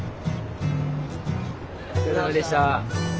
お疲れさまでした。